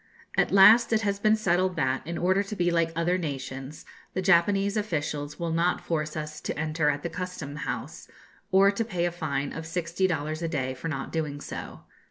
At last it has been settled that, in order to be like other nations, the Japanese officials will not force us to enter at the Custom House, or to pay a fine of sixty dollars a day for not doing so.